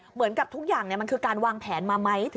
เหมือนกับทุกอย่างมันคือการวางแผนมาไหม